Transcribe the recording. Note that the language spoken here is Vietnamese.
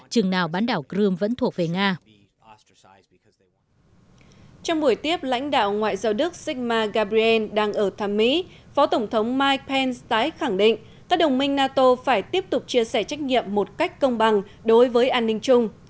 trong buổi tiếp lãnh đạo ngoại giao đức sykma gabriel đang ở thăm mỹ phó tổng thống mike pence tái khẳng định các đồng minh nato phải tiếp tục chia sẻ trách nhiệm một cách công bằng đối với an ninh chung